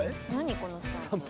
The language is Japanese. このスタンプ。